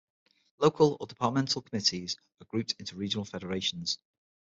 Local or departmental committees are grouped in regional federations.